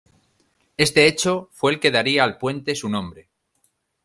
Este hecho fue el que daría al puente su nombre.